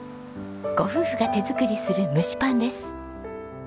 ご夫婦が手作りする蒸しパンです。